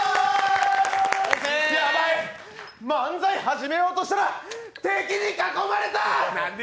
やばい、漫才始めようとしたら敵に囲まれた！